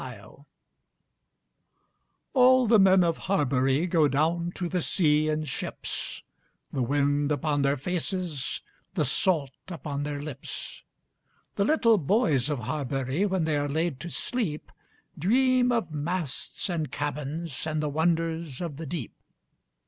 Harbury ALL the men of Harbury go down to the sea in ships, The wind upon their faces, the salt upon their lips. The little boys of Harbury when they are laid to sleep, Dream of masts and cabins and the wonders of the deep.